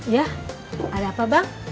ya ada apa bang